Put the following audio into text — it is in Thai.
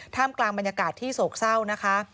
กลางบรรยากาศที่โศกเศร้านะคะ